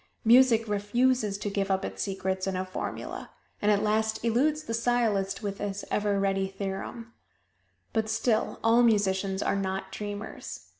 Music refuses to give up its secrets in a formula and at last eludes the sciolist with his ever ready theorem. But still, all musicians are not dreamers.